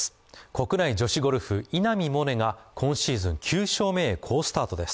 国内女子ゴルフ、稲見萌寧が今シーズン９勝目へ好スタートです。